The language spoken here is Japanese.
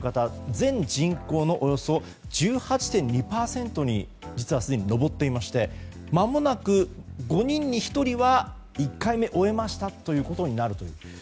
全人口のおよそ１８．２％に実はすでに上っていまして間もなく５人に１人は１回目を終えましたということになるという。